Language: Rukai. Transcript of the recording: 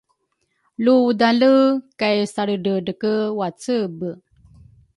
lu udale kay salredredreke wacebe.